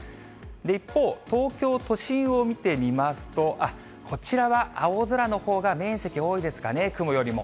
一方、東京都心を見てみますと、こちらは青空のほうが面積、多いですかね、雲よりも。